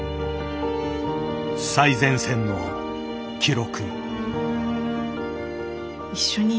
最前線の記録。